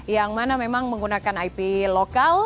yang mana memang menggunakan ip lokal